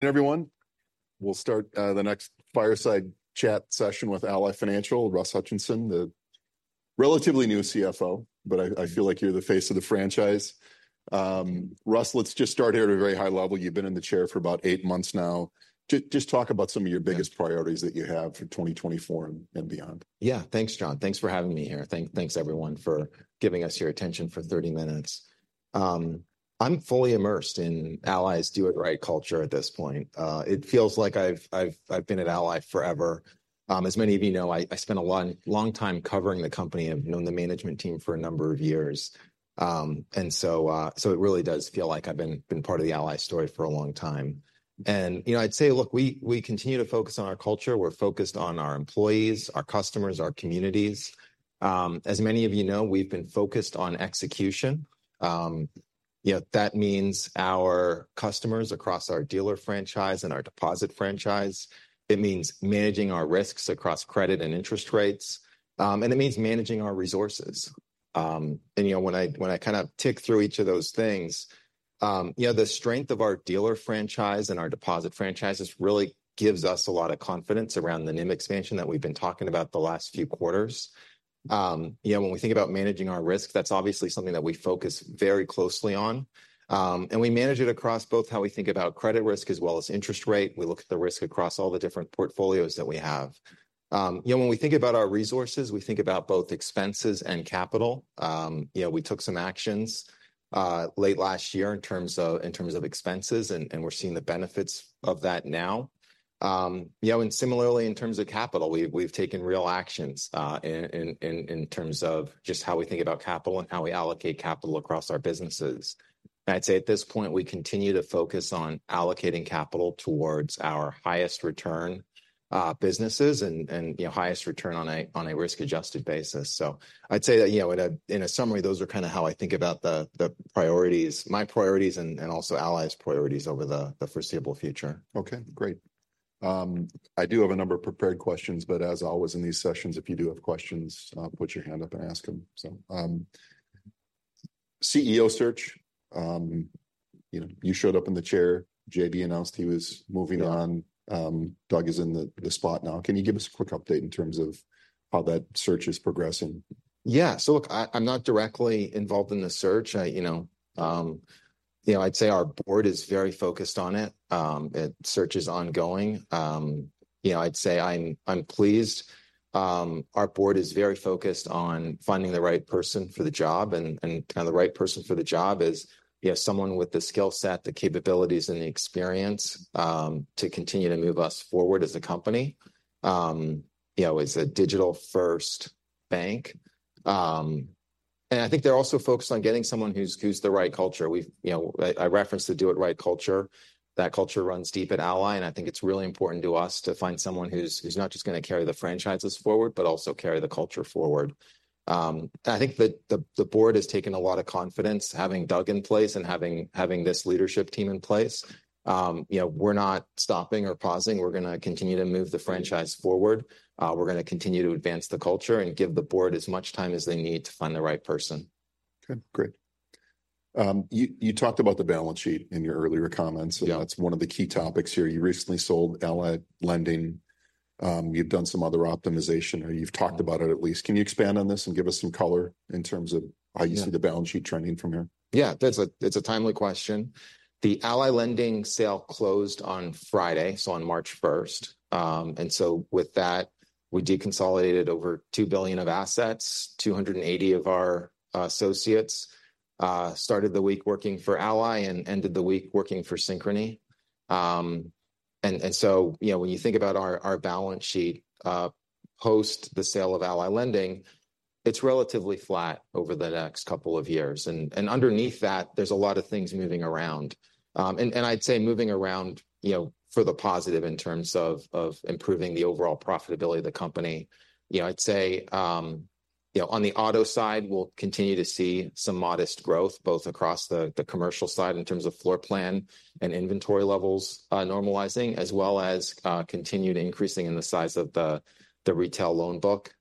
Everyone, we'll start the next fireside chat session with Ally Financial, Russ Hutchinson, the relatively new CFO, but I feel like you're the face of the franchise. Russ, let's just start here at a very high level. You've been in the chair for about eight months now. Just talk about some of your biggest priorities that you have for 2024 and beyond. Yeah, thanks, John. Thanks for having me here. Thanks, everyone, for giving us your attention for 30 minutes. I'm fully immersed in Ally's Do It Right culture at this point. It feels like I've been an ally forever. As many of you know, I spent a long time covering the company. I've known the management team for a number of years. And so it really does feel like I've been part of the Ally story for a long time. And you know, I'd say, look, we continue to focus on our culture. We're focused on our employees, our customers, our communities. As many of you know, we've been focused on execution. You know, that means our customers across our dealer franchise and our deposit franchise. It means managing our risks across credit and interest rates. And it means managing our resources. You know, when I kind of tick through each of those things, you know, the strength of our dealer franchise and our deposit franchises really gives us a lot of confidence around the NIM expansion that we've been talking about the last few quarters. You know, when we think about managing our risk, that's obviously something that we focus very closely on. And we manage it across both how we think about credit risk as well as interest rate. We look at the risk across all the different portfolios that we have. You know, when we think about our resources, we think about both expenses and capital. You know, we took some actions late last year in terms of expenses, and we're seeing the benefits of that now. You know, and similarly, in terms of capital, we've taken real actions in terms of just how we think about capital and how we allocate capital across our businesses. I'd say at this point we continue to focus on allocating capital towards our highest return businesses and, you know, highest return on a risk-adjusted basis. So I'd say that, you know, in a summary, those are kind of how I think about the priorities, my priorities, and also Ally's priorities over the foreseeable future. Okay, great. I do have a number of prepared questions, but, as always in these sessions, if you do have questions, put your hand up and ask them. So CEO search. You know, you showed up in the chair. JB announced he was moving on. Doug is in the spot now. Can you give us a quick update in terms of how that search is progressing? Yeah. So look, I'm not directly involved in the search. You know, I'd say our board is very focused on it. The search is ongoing. You know, I'd say I'm pleased. Our board is very focused on finding the right person for the job. And kind of the right person for the job is, you know, someone with the skill set, the capabilities, and the experience to continue to move us forward as a company. You know, it's a digital-first bank. And I think they're also focused on getting someone who's the right culture. You know, I referenced the do-it-right culture. That culture runs deep at Ally, and I think it's really important to us to find someone who's not just gonna carry the franchises forward, but also carry the culture forward. I think the board has taken a lot of confidence having Doug in place and having this leadership team in place. You know, we're not stopping or pausing. We're gonna continue to move the franchise forward. We're gonna continue to advance the culture and give the board as much time as they need to find the right person. Okay, great. You talked about the balance sheet in your earlier comments. That's one of the key topics here. You recently sold Ally Lending. You've done some other optimization, or you've talked about it, at least. Can you expand on this and give us some color in terms of how you see the balance sheet trending from here? Yeah, that's a timely question. The Ally Lending sale closed on Friday, so on March first. And so with that, we deconsolidated over $2 billion of assets. 280 of our associates started the week working for Ally and ended the week working for Synchrony. And so, you know, when you think about our balance sheet post the sale of Ally Lending, it's relatively flat over the next couple of years. And underneath that, there's a lot of things moving around. And I'd say moving around, you know, for the positive in terms of improving the overall profitability of the company. You know, I'd say, you know, on the Auto side, we'll continue to see some modest growth both across the commercial side in terms of floor plan and inventory levels normalizing, as well as continued increasing in the size of the retail loan book.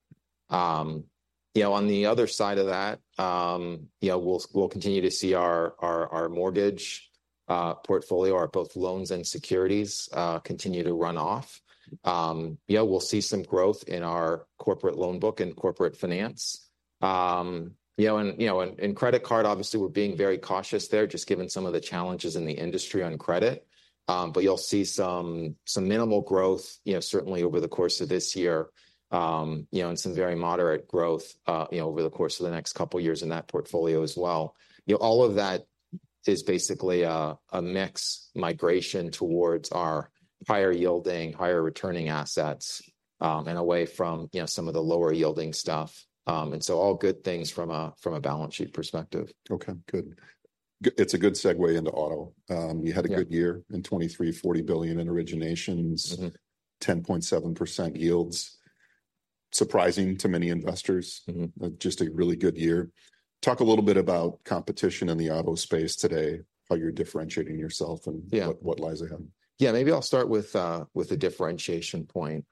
You know, on the other side of that, you know, we'll continue to see our mortgage portfolio, our both loans and securities, continue to run off. You know, we'll see some growth in our corporate loan book and Corporate Finance. You know, and you know, in credit card, obviously, we're being very cautious there, just given some of the challenges in the industry on credit. But you'll see some minimal growth, you know, certainly over the course of this year. You know, and some very moderate growth, you know, over the course of the next couple of years in that portfolio as well. You know, all of that is basically a mixed migration towards our higher yielding, higher returning assets, and away from, you know, some of the lower yielding stuff. And so all good things from a balance sheet perspective. Okay, good. It's a good segue into Auto. You had a good year in 2023, $40 billion in originations, 10.7% yields. Surprising to many investors. Just a really good year. Talk a little bit about competition in the Auto space today, how you're differentiating yourself, and what lies ahead. Yeah, maybe I'll start with a differentiation point.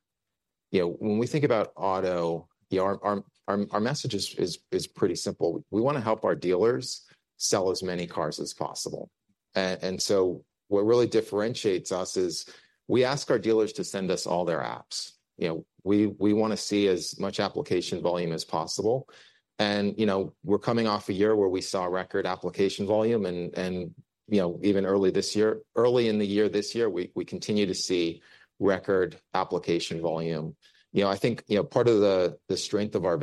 You know, when we think about Auto, our message is pretty simple. We wanna help our dealers sell as many cars as possible. And so what really differentiates us is we ask our dealers to send us all their apps. You know, we wanna see as much application volume as possible. And, you know, we're coming off a year where we saw record application volume. And, you know, even early this year, early in the year this year, we continue to see record application volume. You know, I think, you know, part of the strength of our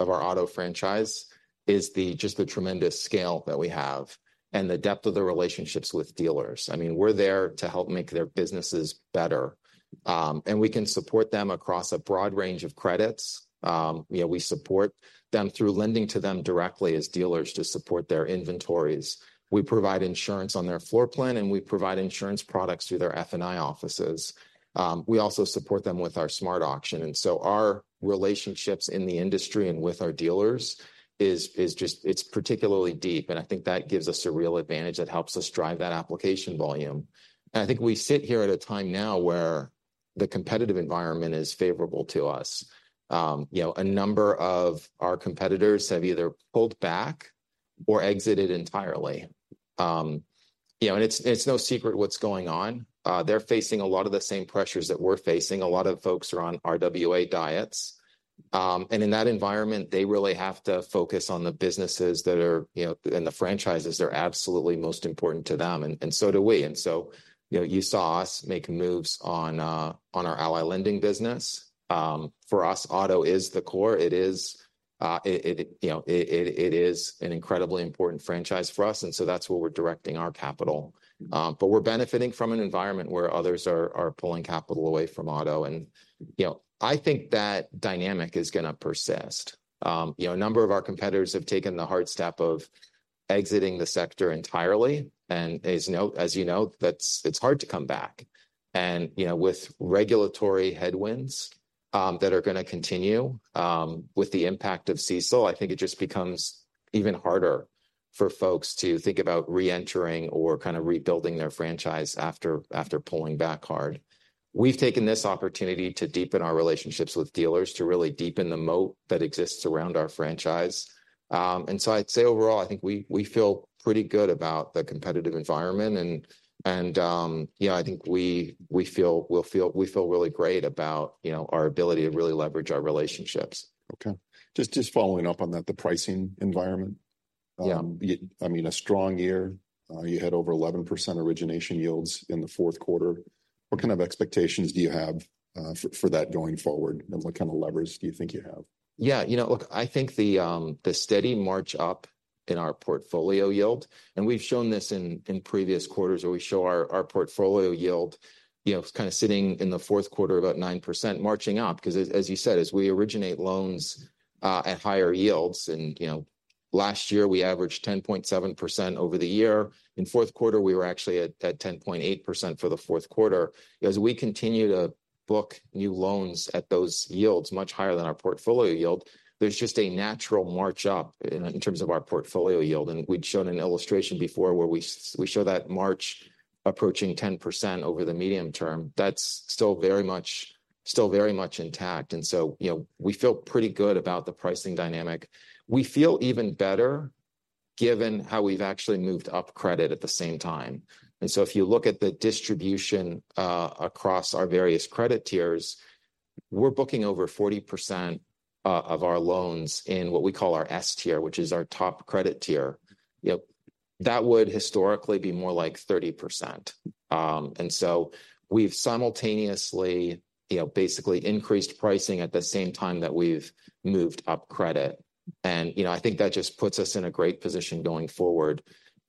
Auto franchise is just the tremendous scale that we have and the depth of the relationships with dealers. I mean, we're there to help make their businesses better. And we can support them across a broad range of credits. You know, we support them through lending to them directly as dealers to support their inventories. We provide insurance on their floor plan, and we provide insurance products through their F&I offices. We also support them with our SmartAuction. And so our relationships in the industry and with our dealers is just, it's particularly deep. And I think that gives us a real advantage that helps us drive that application volume. And I think we sit here at a time now where the competitive environment is favorable to us. You know, a number of our competitors have either pulled back or exited entirely. You know, and it's no secret what's going on. They're facing a lot of the same pressures that we're facing. A lot of folks are on RWA diets. And in that environment, they really have to focus on the businesses that are, you know, and the franchises that are absolutely most important to them. And so do we. And so, you know, you saw us make moves on our Ally Lending business. For us, Auto is the core. It is, you know, it is an incredibly important franchise for us. And so that's where we're directing our capital. But we're benefiting from an environment where others are pulling capital away from Auto. And, you know, I think that dynamic is gonna persist. You know, a number of our competitors have taken the hard step of exiting the sector entirely. And, as you know, it's hard to come back. You know, with regulatory headwinds that are gonna continue with the impact of CECL, I think it just becomes even harder for folks to think about reentering or kind of rebuilding their franchise after pulling back hard. We've taken this opportunity to deepen our relationships with dealers, to really deepen the moat that exists around our franchise. And so I'd say, overall, I think we feel pretty good about the competitive environment. And, you know, I think we feel, we feel really great about, you know, our ability to really leverage our relationships. Okay. Just following up on that, the pricing environment. I mean, a strong year. You had over 11% origination yields in the fourth quarter. What kind of expectations do you have for that going forward? And what kind of levers do you think you have? Yeah, you know, look, I think the steady march up in our portfolio yield, and we've shown this in previous quarters where we show our portfolio yield, you know, kind of sitting in the fourth quarter about 9% marching up. Because, as you said, as we originate loans at higher yields, and, you know, last year we averaged 10.7% over the year. In fourth quarter, we were actually at 10.8% for the fourth quarter. As we continue to book new loans at those yields much higher than our portfolio yield, there's just a natural march up in terms of our portfolio yield. And we'd shown an illustration before where we show that march approaching 10% over the medium term. That's still very much intact. And so, you know, we feel pretty good about the pricing dynamic. We feel even better given how we've actually moved up credit at the same time. And so if you look at the distribution across our various credit tiers, we're booking over 40% of our loans in what we call our S Tier, which is our top credit tier. You know, that would historically be more like 30%. And so we've simultaneously, you know, basically increased pricing at the same time that we've moved up credit. And, you know, I think that just puts us in a great position going forward.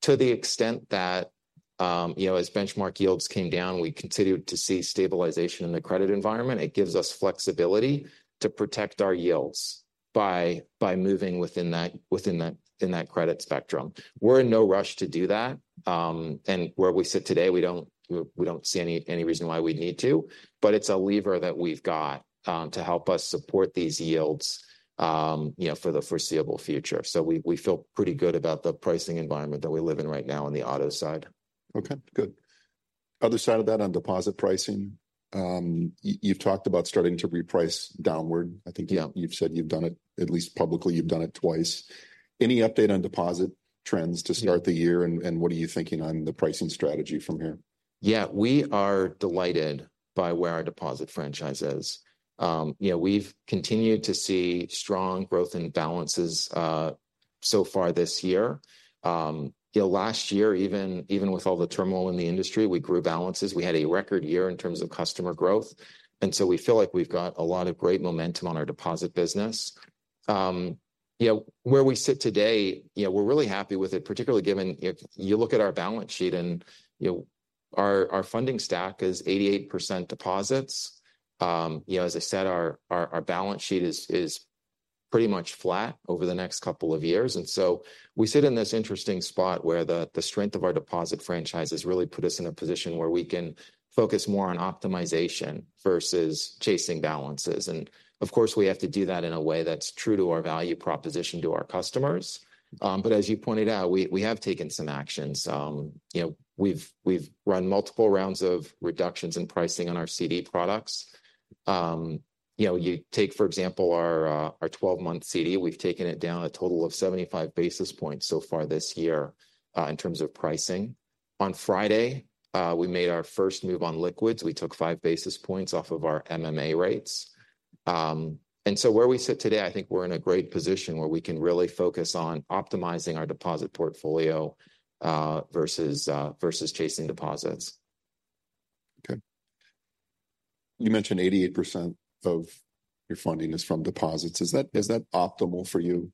To the extent that, you know, as benchmark yields came down, we continued to see stabilization in the credit environment. It gives us flexibility to protect our yields by moving within that credit spectrum. We're in no rush to do that. And where we sit today, we don't see any reason why we'd need to. But it's a lever that we've got to help us support these yields, you know, for the foreseeable future. So we feel pretty good about the pricing environment that we live in right now on the Auto side. Okay, good. Other side of that, on deposit pricing. You've talked about starting to reprice downward. I think you've said you've done it, at least publicly, you've done it twice. Any update on deposit trends to start the year? And what are you thinking on the pricing strategy from here? Yeah, we are delighted by where our deposit franchise is. You know, we've continued to see strong growth in balances so far this year. You know, last year, even with all the turmoil in the industry, we grew balances. We had a record year in terms of customer growth. And so we feel like we've got a lot of great momentum on our deposit business. You know, where we sit today, you know, we're really happy with it, particularly given, you know, you look at our balance sheet and, you know, our funding stack is 88% deposits. You know, as I said, our balance sheet is pretty much flat over the next couple of years. And so we sit in this interesting spot where the strength of our deposit franchise has really put us in a position where we can focus more on optimization versus chasing balances. Of course, we have to do that in a way that's true to our value proposition to our customers. But, as you pointed out, we have taken some actions. You know, we've run multiple rounds of reductions in pricing on our CD products. You know, you take, for example, our 12-month CD, we've taken it down a total of 75 basis points so far this year in terms of pricing. On Friday, we made our first move on liquids. We took 5 basis points off of our MMA rates. And so where we sit today, I think we're in a great position where we can really focus on optimizing our deposit portfolio versus chasing deposits. Okay. You mentioned 88% of your funding is from deposits. Is that optimal for you?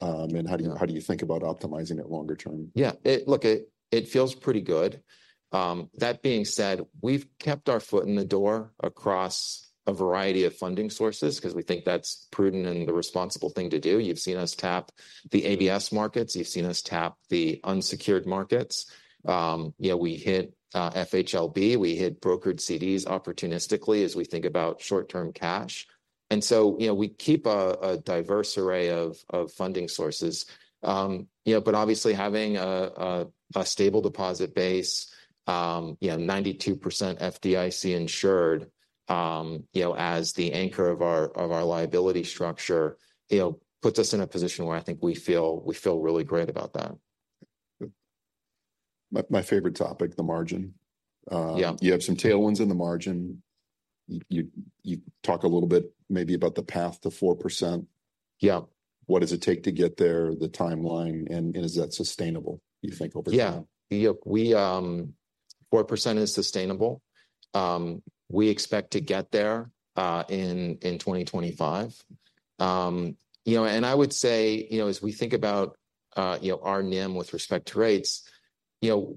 How do you think about optimizing it longer term? Yeah, look, it feels pretty good. That being said, we've kept our foot in the door across a variety of funding sources because we think that's prudent and the responsible thing to do. You've seen us tap the ABS markets. You've seen us tap the unsecured markets. You know, we hit FHLB. We hit brokered CDs opportunistically as we think about short-term cash. And so, you know, we keep a diverse array of funding sources. You know, but obviously, having a stable deposit base, you know, 92% FDIC insured, you know, as the anchor of our liability structure, you know, puts us in a position where I think we feel really great about that. My favorite topic, the margin. You have some tailwinds in the margin. You talk a little bit maybe about the path to 4%. What does it take to get there? The timeline? And is that sustainable, you think, over time? Yeah. Look, 4% is sustainable. We expect to get there in 2025. You know, and I would say, you know, as we think about, you know, our NIM with respect to rates, you know,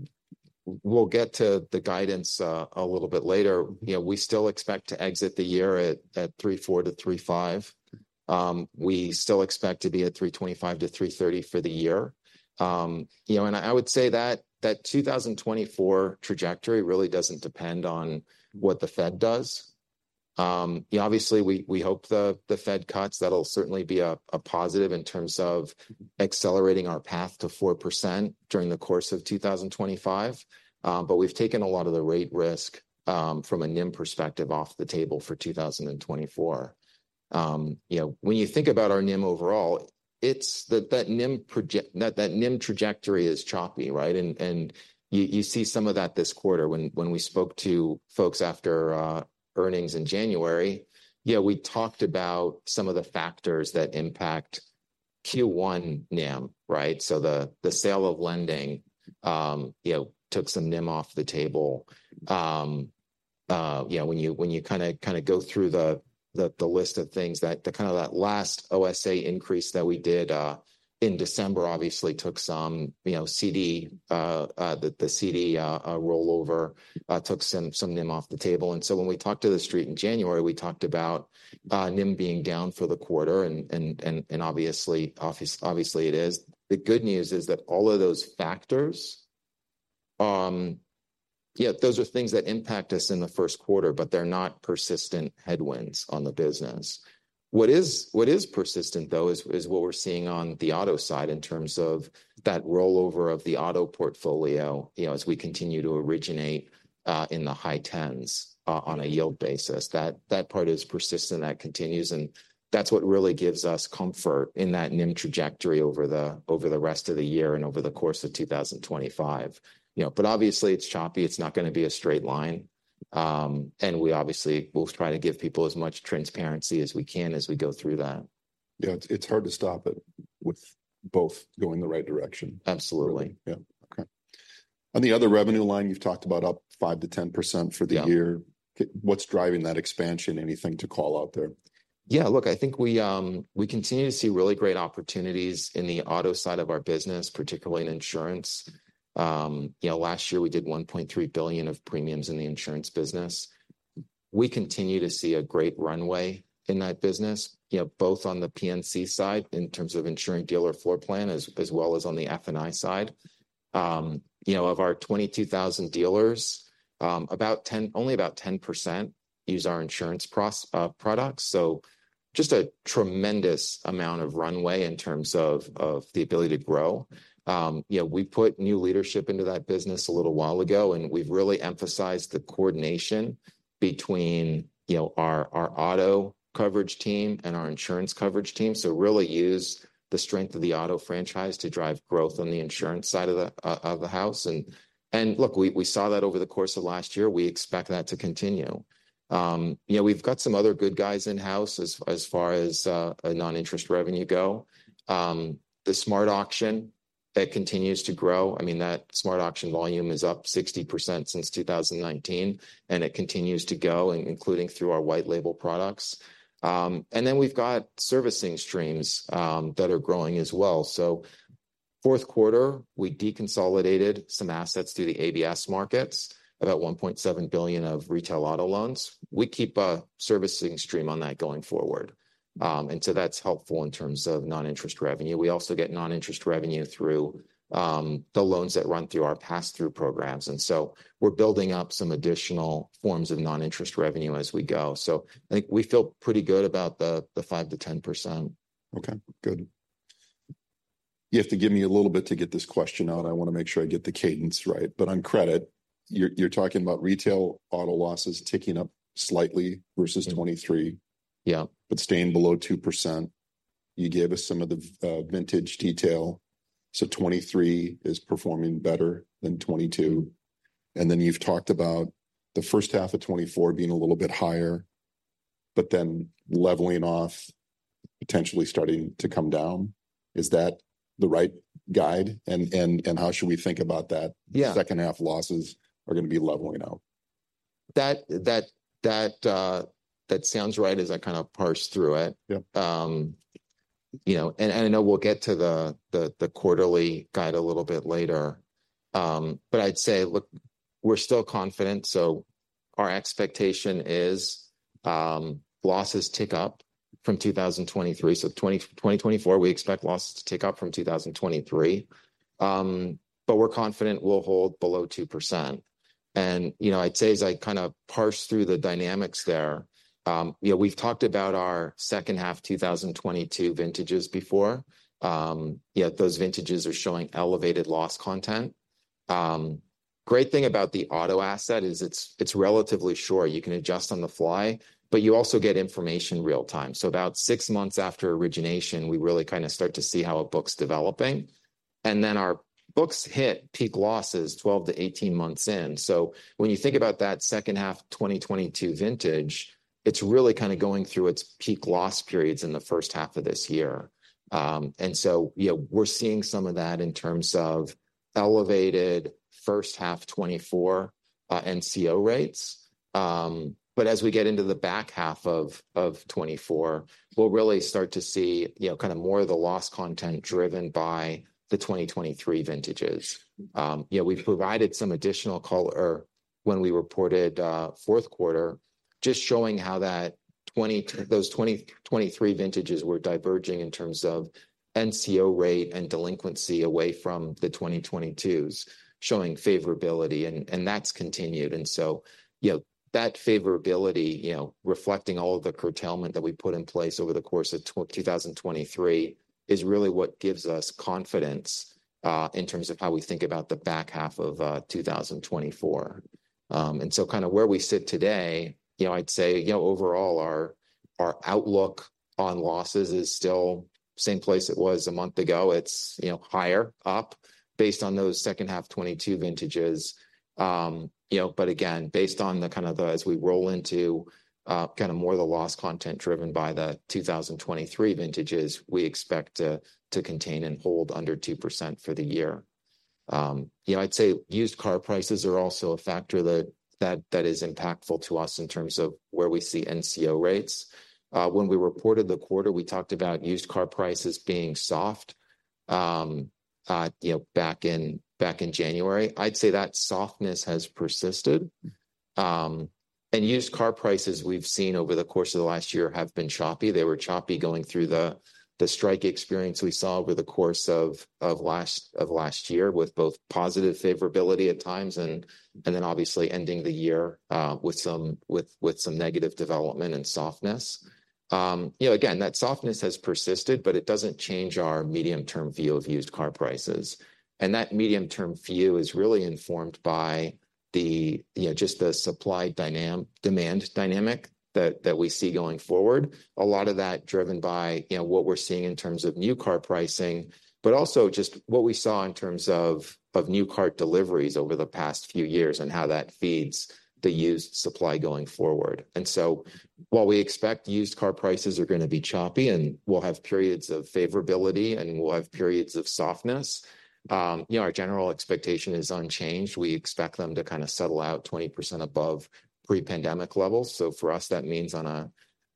we'll get to the guidance a little bit later. You know, we still expect to exit the year at 3.4%-3.5%. We still expect to be at 3.25%-3.30% for the year. You know, and I would say that 2024 trajectory really doesn't depend on what the Fed does. You know, obviously, we hope the Fed cuts. That'll certainly be a positive in terms of accelerating our path to 4% during the course of 2025. But we've taken a lot of the rate risk from a NIM perspective off the table for 2024. You know, when you think about our NIM overall, that NIM trajectory is choppy, right? You see some of that this quarter. When we spoke to folks after earnings in January, you know, we talked about some of the factors that impact Q1 NIM, right? So the sale of lending, you know, took some NIM off the table. You know, when you kind of go through the list of things, that kind of last OSA increase that we did in December, obviously, took some, you know, CD, the CD rollover took some NIM off the table. And so when we talked to the street in January, we talked about NIM being down for the quarter. And obviously, obviously it is. The good news is that all of those factors, yeah, those are things that impact us in the first quarter, but they're not persistent headwinds on the business. What is persistent, though, is what we're seeing on the Auto side in terms of that rollover of the Auto portfolio, you know, as we continue to originate in the high 10s on a yield basis. That part is persistent. That continues. And that's what really gives us comfort in that NIM trajectory over the rest of the year and over the course of 2025. You know, but obviously, it's choppy. It's not gonna be a straight line. And we obviously will try to give people as much transparency as we can as we go through that. Yeah, it's hard to stop it with both going the right direction. Absolutely. Yeah. Okay. On the other revenue line, you've talked about up 5%-10% for the year. What's driving that expansion? Anything to call out there? Yeah, look, I think we continue to see really great opportunities in the Auto side of our business, particularly in insurance. You know, last year we did $1.3 billion of premiums in the insurance business. We continue to see a great runway in that business, you know, both on the P&C side in terms of insuring dealer floor plan as well as on the F&I side. You know, of our 22,000 dealers, only about 10% use our insurance products. So just a tremendous amount of runway in terms of the ability to grow. You know, we put new leadership into that business a little while ago, and we've really emphasized the coordination between, you know, our Auto coverage team and our insurance coverage team. So really use the strength of the Auto franchise to drive growth on the insurance side of the house. And, look, we saw that over the course of last year. We expect that to continue. You know, we've got some other good guys in-house as far as non-interest revenue go. The SmartAuction, it continues to grow. I mean, that SmartAuction volume is up 60% since 2019, and it continues to go, including through our white label products. And then we've got servicing streams that are growing as well. So fourth quarter, we deconsolidated some assets through the ABS markets, about $1.7 billion of retail Auto loans. We keep a servicing stream on that going forward. And so that's helpful in terms of non-interest revenue. We also get non-interest revenue through the loans that run through our pass-through programs. And so we're building up some additional forms of non-interest revenue as we go. So I think we feel pretty good about the 5%-10%. Okay, good. You have to give me a little bit to get this question out. I want to make sure I get the cadence right. But on credit, you're talking about retail Auto losses ticking up slightly versus 2023, but staying below 2%. You gave us some of the vintage detail. So 2023 is performing better than 2022. And then you've talked about the first half of 2024 being a little bit higher, but then leveling off, potentially starting to come down. Is that the right guide? And how should we think about that? The second half losses are going to be leveling out. That sounds right as I kind of parse through it. You know, and I know we'll get to the quarterly guide a little bit later. But I'd say, look, we're still confident. So our expectation is losses tick up from 2023. So 2024, we expect losses to tick up from 2023. But we're confident we'll hold below 2%. And, you know, I'd say, as I kind of parse through the dynamics there, you know, we've talked about our second half 2022 vintages before. You know, those vintages are showing elevated loss content. Great thing about the Auto asset is it's relatively short. You can adjust on the fly, but you also get information real time. So about six months after origination, we really kind of start to see how a book's developing. And then our books hit peak losses 12-18 months in. So when you think about that second half 2022 vintage, it's really kind of going through its peak loss periods in the first half of this year. And so, you know, we're seeing some of that in terms of elevated first half 2024 NCO rates. But as we get into the back half of 2024, we'll really start to see, you know, kind of more of the loss content driven by the 2023 vintages. You know, we've provided some additional color when we reported fourth quarter, just showing how those 2023 vintages were diverging in terms of NCO rate and delinquency away from the 2022s, showing favorability. And that's continued. And so, you know, that favorability, you know, reflecting all of the curtailment that we put in place over the course of 2023, is really what gives us confidence in terms of how we think about the back half of 2024. And so kind of where we sit today, you know, I'd say, you know, overall, our outlook on losses is still same place it was a month ago. It's, you know, higher up based on those second half 2022 vintages. You know, but again, based on the kind of the as we roll into kind of more of the loss content driven by the 2023 vintages, we expect to contain and hold under 2% for the year. You know, I'd say used car prices are also a factor that is impactful to us in terms of where we see NCO rates. When we reported the quarter, we talked about used car prices being soft, you know, back in January. I'd say that softness has persisted. Used car prices we've seen over the course of the last year have been choppy. They were choppy going through the strike experience we saw over the course of last year with both positive favorability at times and then obviously ending the year with some negative development and softness. You know, again, that softness has persisted, but it doesn't change our medium-term view of used car prices. That medium-term view is really informed by the, you know, just the supply demand dynamic that we see going forward. A lot of that driven by, you know, what we're seeing in terms of new car pricing, but also just what we saw in terms of new car deliveries over the past few years and how that feeds the used supply going forward. And so while we expect used car prices are going to be choppy and we'll have periods of favorability and we'll have periods of softness, you know, our general expectation is unchanged. We expect them to kind of settle out 20% above pre-pandemic levels. So for us, that means on an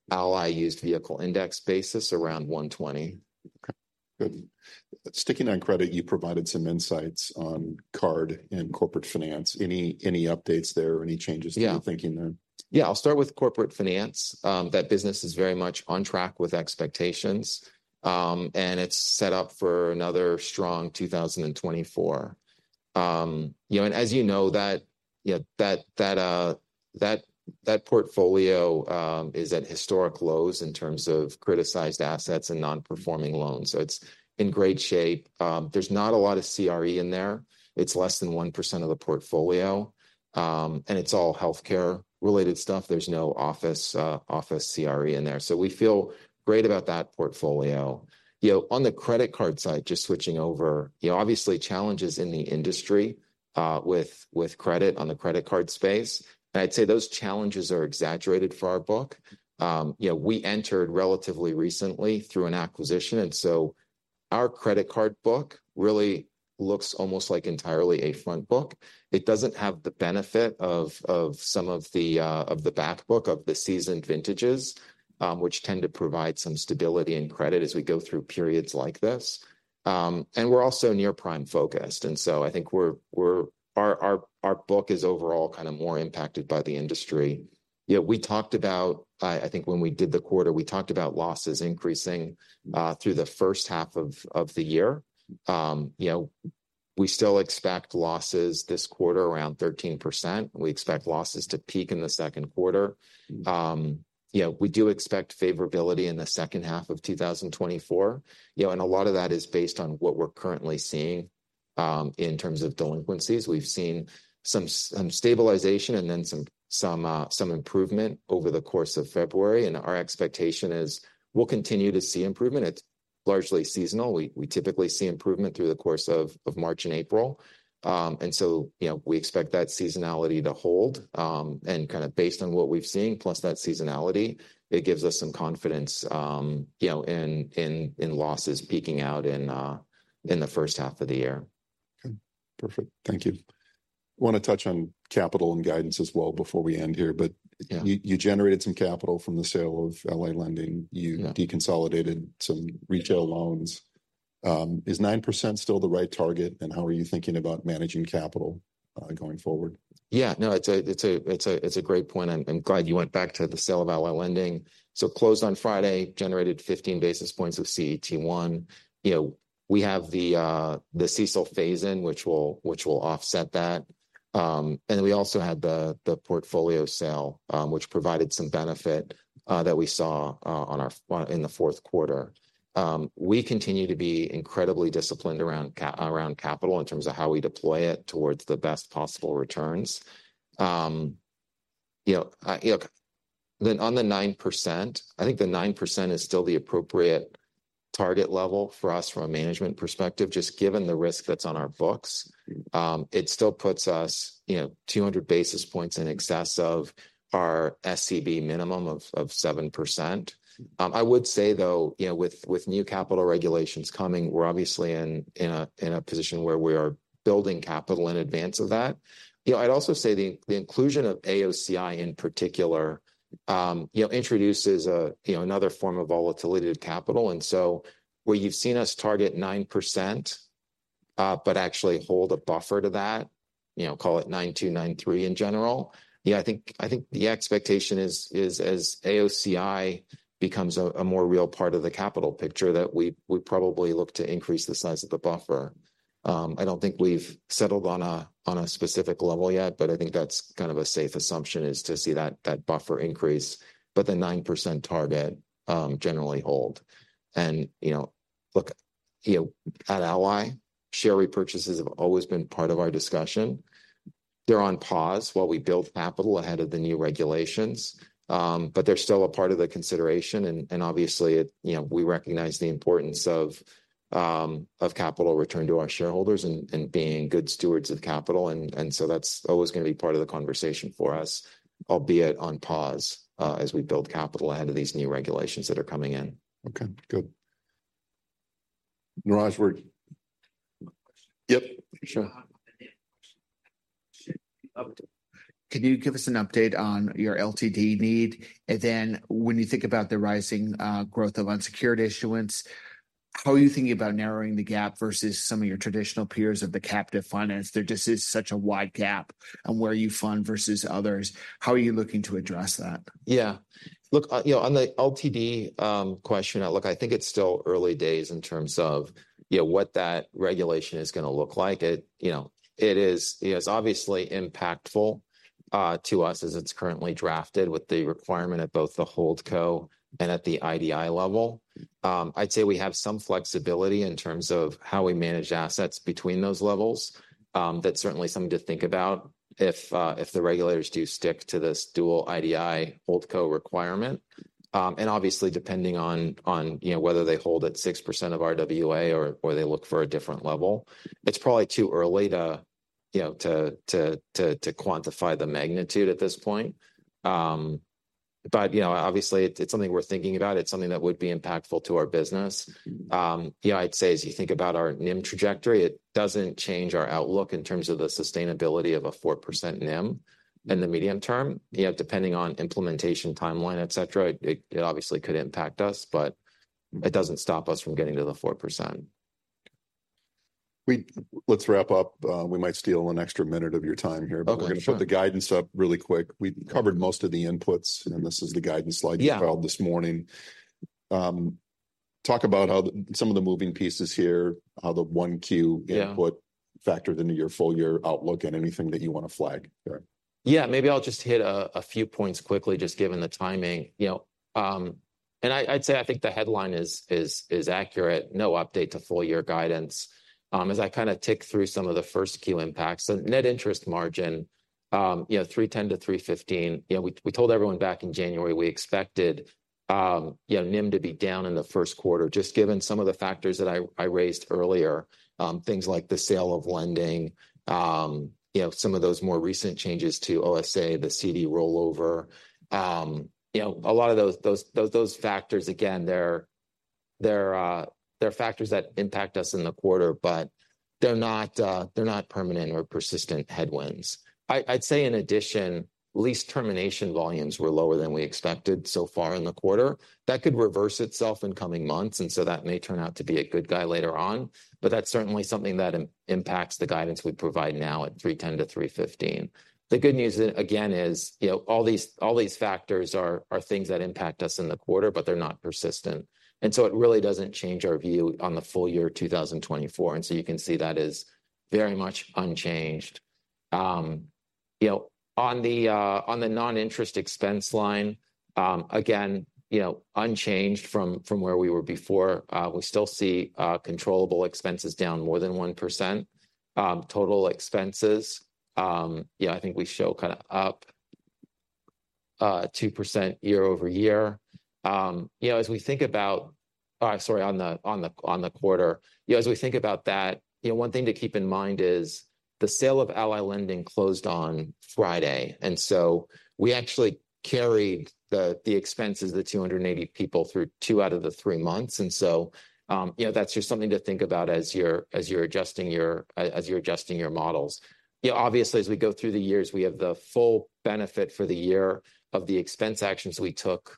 Ally Used Vehicle Index basis around 120%. Okay, good. Sticking on credit, you provided some insights on card and Corporate Finance. Any updates there? Any changes that you're thinking there? Yeah, I'll start with Corporate Finance. That business is very much on track with expectations. It's set up for another strong 2024. You know, as you know, that portfolio is at historic lows in terms of criticized assets and non-performing loans. So it's in great shape. There's not a lot of CRE in there. It's less than 1% of the portfolio. It's all healthcare-related stuff. There's no office CRE in there. So we feel great about that portfolio. You know, on the credit card side, just switching over, you know, obviously challenges in the industry with credit on the credit card space. I'd say those challenges are exaggerated for our book. You know, we entered relatively recently through an acquisition. So our credit card book really looks almost like entirely a front book. It doesn't have the benefit of some of the backbook of the seasoned vintages, which tend to provide some stability and credit as we go through periods like this. We're also near prime focused. So I think our book is overall kind of more impacted by the industry. You know, we talked about, I think when we did the quarter, we talked about losses increasing through the first half of the year. You know, we still expect losses this quarter around 13%. We expect losses to peak in the second quarter. You know, we do expect favorability in the second half of 2024. You know, a lot of that is based on what we're currently seeing in terms of delinquencies. We've seen some stabilization and then some improvement over the course of February. Our expectation is we'll continue to see improvement. It's largely seasonal. We typically see improvement through the course of March and April. And so, you know, we expect that seasonality to hold. And kind of based on what we've seen, plus that seasonality, it gives us some confidence, you know, in losses peaking out in the first half of the year. Okay, perfect. Thank you. Want to touch on capital and guidance as well before we end here. But you generated some capital from the sale of Ally Lending. You deconsolidated some retail loans. Is 9% still the right target? And how are you thinking about managing capital going forward? Yeah, no, it's a great point. I'm glad you went back to the sale of Ally Lending. So closed on Friday, generated 15 basis points of CET1. You know, we have the CECL phase in, which will offset that. And then we also had the portfolio sale, which provided some benefit that we saw in the fourth quarter. We continue to be incredibly disciplined around capital in terms of how we deploy it towards the best possible returns. You know, then on the 9%, I think the 9% is still the appropriate target level for us from a management perspective, just given the risk that's on our books. It still puts us, you know, 200 basis points in excess of our SCB minimum of 7%. I would say, though, you know, with new capital regulations coming, we're obviously in a position where we are building capital in advance of that. You know, I'd also say the inclusion of AOCI in particular, you know, introduces another form of volatility to capital. And so where you've seen us target 9% but actually hold a buffer to that, you know, call it 9.2, 9.3 in general, yeah, I think the expectation is, as AOCI becomes a more real part of the capital picture, that we probably look to increase the size of the buffer. I don't think we've settled on a specific level yet, but I think that's kind of a safe assumption is to see that buffer increase, but the 9% target generally hold. And, you know, look, you know, at Ally, share repurchases have always been part of our discussion. They're on pause while we build capital ahead of the new regulations. But they're still a part of the consideration. Obviously, you know, we recognize the importance of capital return to our shareholders and being good stewards of capital. So that's always going to be part of the conversation for us, albeit on pause as we build capital ahead of these new regulations that are coming in. Okay, good. Niraj, yours. Yep, sure. Can you give us an update on your LTD need? And then when you think about the rising growth of unsecured issuance, how are you thinking about narrowing the gap versus some of your traditional peers of the captive finance? There just is such a wide gap on where you fund versus others. How are you looking to address that? Yeah, look, you know, on the LTD question, look, I think it's still early days in terms of, you know, what that regulation is going to look like. You know, it is obviously impactful to us as it's currently drafted with the requirement at both the holding co and at the IDI level. I'd say we have some flexibility in terms of how we manage assets between those levels. That's certainly something to think about if the regulators do stick to this dual IDI holding co requirement. And obviously, depending on, you know, whether they hold at 6% of RWA or they look for a different level, it's probably too early to, you know, to quantify the magnitude at this point. But, you know, obviously, it's something we're thinking about. It's something that would be impactful to our business. You know, I'd say, as you think about our NIM trajectory, it doesn't change our outlook in terms of the sustainability of a 4% NIM in the medium term. You know, depending on implementation timeline, et cetera, it obviously could impact us, but it doesn't stop us from getting to the 4%. Let's wrap up. We might steal an extra minute of your time here. We're going to put the guidance up really quick. We covered most of the inputs, and this is the guidance slide you filed this morning. Talk about how some of the moving pieces here, how the 1Q input factored into your full-year outlook and anything that you want to flag there. Yeah, maybe I'll just hit a few points quickly, just given the timing. You know, and I'd say I think the headline is accurate. No update to full-year guidance. As I kind of tick through some of the Q1 impacts, the net interest margin, you know, 3.10%-3.15%, you know, we told everyone back in January we expected, you know, NIM to be down in the first quarter, just given some of the factors that I raised earlier, things like the sale of lending, you know, some of those more recent changes to OSA, the CD rollover. You know, a lot of those factors, again, they're factors that impact us in the quarter, but they're not permanent or persistent headwinds. I'd say, in addition, lease termination volumes were lower than we expected so far in the quarter. That could reverse itself in coming months, and so that may turn out to be a good guy later on. But that's certainly something that impacts the guidance we provide now at 3.10%-3.15%. The good news, again, is, you know, all these factors are things that impact us in the quarter, but they're not persistent. And so it really doesn't change our view on the full year 2024. And so you can see that is very much unchanged. You know, on the non-interest expense line, again, you know, unchanged from where we were before. We still see controllable expenses down more than 1%. Total expenses, you know, I think we show kind of up 2% year-over-year. You know, as we think about, sorry, on the quarter, you know, as we think about that, you know, one thing to keep in mind is the sale of Ally Lending closed on Friday. And so we actually carried the expenses of the 280 people through two out of the three months. And so, you know, that's just something to think about as you're adjusting your models. You know, obviously, as we go through the years, we have the full benefit for the year of the expense actions we took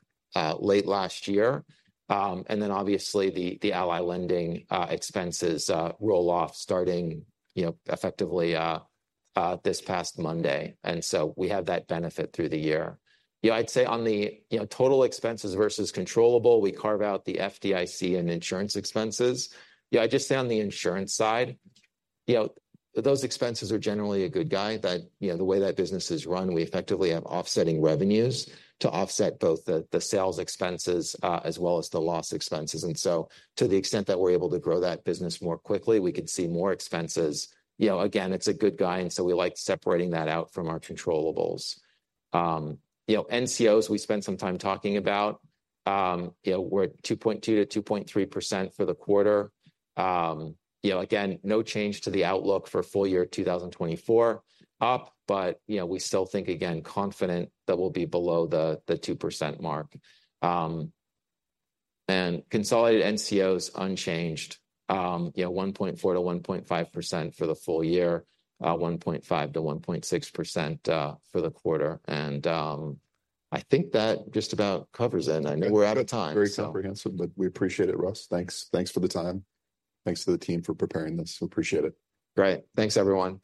late last year. And then, obviously, the Ally Lending expenses roll off starting, you know, effectively this past Monday. And so we have that benefit through the year. You know, I'd say on the total expenses versus controllable, we carve out the FDIC and insurance expenses. You know, I'd just say on the insurance side, you know, those expenses are generally a good guy. You know, the way that business is run, we effectively have offsetting revenues to offset both the sales expenses as well as the loss expenses. And so to the extent that we're able to grow that business more quickly, we could see more expenses. You know, again, it's a good guy. And so we like separating that out from our controllables. You know, NCOs we spent some time talking about. You know, we're at 2.2%-2.3% for the quarter. You know, again, no change to the outlook for full year 2024. Up, but, you know, we still think, again, confident that we'll be below the 2% mark. And consolidated NCOs unchanged. You know, 1.4%-1.5% for the full year, 1.5%-1.6% for the quarter. I think that just about covers it. I know we're out of time. Very comprehensive, but we appreciate it, Russ. Thanks for the time. Thanks to the team for preparing this. Appreciate it. Great. Thanks, everyone.